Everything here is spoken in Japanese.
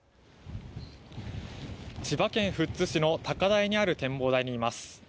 千葉県富津市の高台にある展望台にいます。